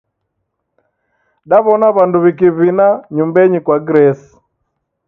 Daw'ona w'andu w'ikivina nyumbenyi kwa Grace.